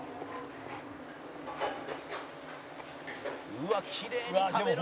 「うわっきれいに食べるな！」